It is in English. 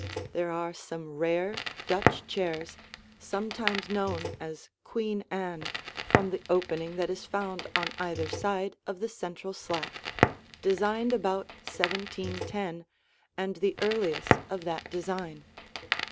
There are some rare Dutch chairs sometimes known as Queen Anne from the opening that is found on either side of the central slat, designed about 1710, and the earliest of that design.